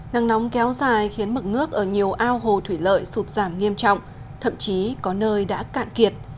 nắng nóng kéo dài khiến mực nước ở nhiều ao hồ thủy lợi sụt giảm nghiêm trọng thậm chí có nơi đã cạn kiệt